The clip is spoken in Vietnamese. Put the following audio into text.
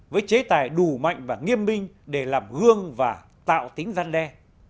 với chế tài đủ mạnh và nghiêm minh để làm gương và tạo tính gian đe